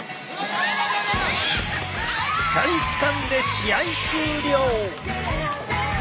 しっかりつかんで試合終了！